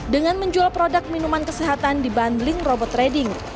dengan menjual produk minuman kesehatan di bundling robot trading